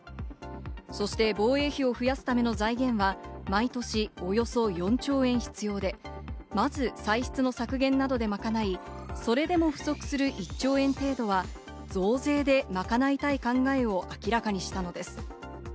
そして防衛費を増やすための財源は毎年およそ４兆円必要で、まず歳出の削減などでまかない、それでも不足する１兆円程度は増税でまかないたい考えを明らかにしたのです。